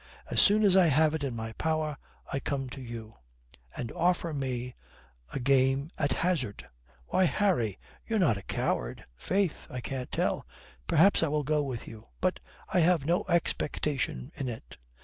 As soon as I have it in my power, I come to you " "And offer me a game at hazard." "Why, Harry, you're not a coward?" "Faith, I can't tell. Perhaps I will go with you. But I have no expectation in it."